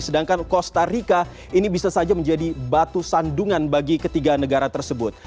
sedangkan costa rica ini bisa saja menjadi batu sandungan bagi ketiga negara tersebut